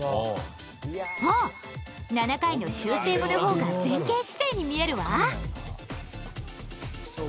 あっ、７回の修正後のほうが前傾姿勢に見えるわ！